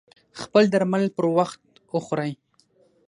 خپل درمل پر وخت وخوری